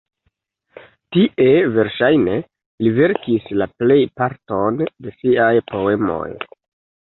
Tie, verŝajne, li verkis la plejparton de siaj poemoj.